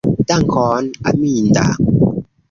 Dankon, Aminda!